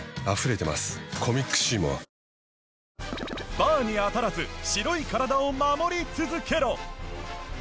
バーに当たらず白い体を守り続けろ！